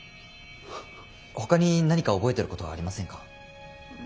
ほかに何か覚えてることはありませんか？